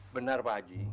benar pak haji